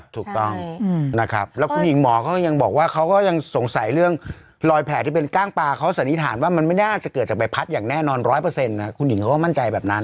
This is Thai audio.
ถูกต้องนะครับแล้วคุณหญิงหมอเขายังบอกว่าเขาก็ยังสงสัยเรื่องรอยแผลที่เป็นกล้างปลาเขาสันนิษฐานว่ามันไม่น่าจะเกิดจากใบพัดอย่างแน่นอน๑๐๐นะคุณหญิงเขาก็มั่นใจแบบนั้น